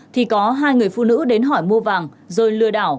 thì có hai người phụ nữ đến hỏi mua vàng rồi lừa đảo